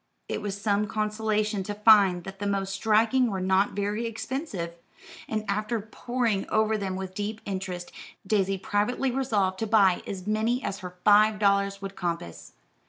It was some consolation to find that the most striking were not very expensive, and after poring over them with deep interest, Daisy privately resolved to buy as many as her five dollars would compass.